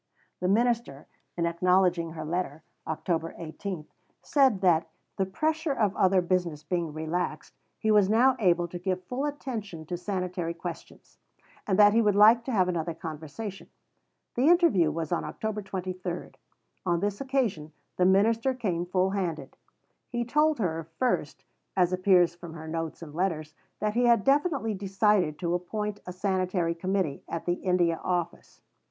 The minister, in acknowledging her letter (Oct. 18), said that, the pressure of other business being relaxed, he was now able to give full attention to sanitary questions, and that he would like to have another conversation. The interview was on October 23. On this occasion the minister came full handed. He told her, first, as appears from her notes and letters, that he had definitely decided to appoint a Sanitary Committee at the India Office.